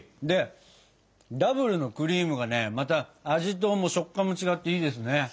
でダブルのクリームがねまた味と食感も違っていいですね。